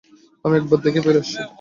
আমি একবার দেখেই ফিরে আসছি।